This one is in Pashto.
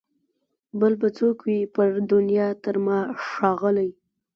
بل به څوک وي پر دنیا تر ما ښاغلی